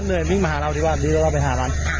ขึ้นมาหาเราดีกว่าดีกว่าเราไปหามัน